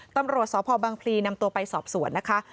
ตำรวจสพบังพลีนำตัวไปสอบสวนนะคะ